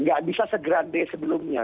kemudian gak bisa se grande sebelumnya